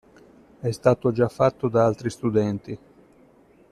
È stato già fatto da altri studenti.